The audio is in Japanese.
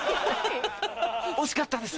惜しかったです。